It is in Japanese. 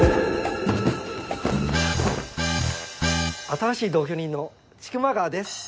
新しい同居人の千曲川です。